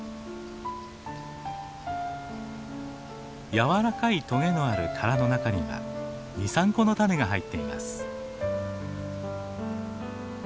やわらかいトゲのある殻の中には２３個の種が入っています。